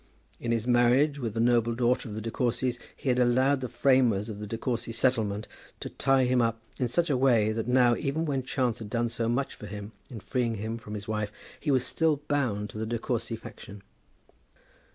In his marriage with the noble daughter of the De Courcys he had allowed the framers of the De Courcy settlement to tie him up in such a way that now, even when chance had done so much for him in freeing him from his wife, he was still bound to the De Courcy faction.